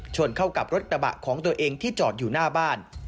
ชนเข้ากับรถกระบะของตัวเองที่จอดอยู่หน้าบ้าน